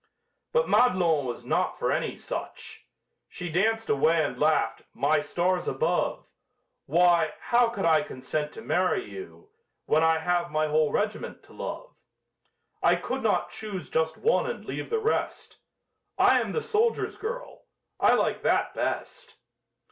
But Madelon was not for any such She danced away and laughed: "My stars above! Why, how could I consent to marry you, When I have my whole regiment to love? I could not choose just one and leave the rest. I am the soldiers' girl I like that best!"